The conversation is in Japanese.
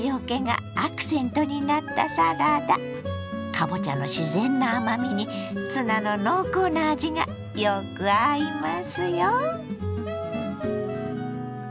かぼちゃの自然な甘みにツナの濃厚な味がよく合いますよ。